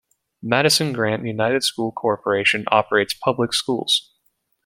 Madison-Grant United School Corporation operates public schools.